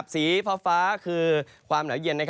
สีฟ้าคือความหนาวเย็น